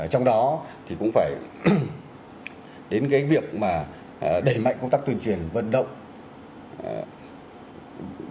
trong đó thì cũng phải đến cái việc mà đẩy mạnh công tác tuyên truyền vận động